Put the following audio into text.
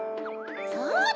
そうだ！